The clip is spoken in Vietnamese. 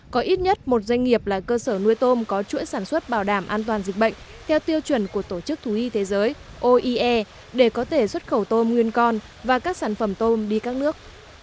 có ít nhất một doanh nghiệp là cơ sở nuôi tôm có chuỗi sản xuất bảo đảm an toàn dịch bệnh theo tiêu chuẩn của tổ chức thú y thế giới oe để có thể xuất khẩu tôm nguyên con và các sản phẩm tôm đi các nước